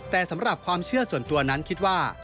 แต่สำหรับความเชื่อส่วนตัวนั้นคิดว่า